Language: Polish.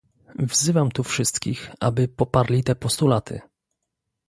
Wzywam tu wszystkich, aby poparli te postulaty